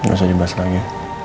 nggak usah dibahas lagi